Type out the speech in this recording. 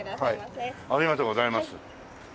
ありがとうございます。